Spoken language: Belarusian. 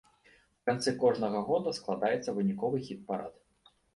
У канцы кожнага года складаецца выніковы хіт-парад.